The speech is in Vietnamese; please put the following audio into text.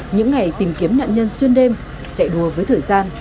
những ngày tìm kiếm nạn nhân xuyên đêm chạy đua với thời gian